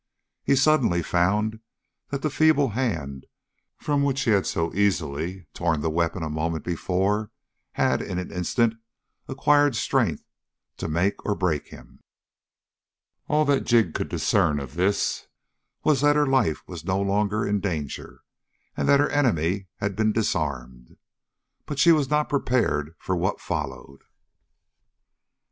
He suddenly found that the feeble hand from which he had so easily torn the weapon a moment before, had in an instant acquired strength to make or break him. All that Jig could discern of this was that her life was no longer in danger, and that her enemy had been disarmed. But she was not prepared for what followed.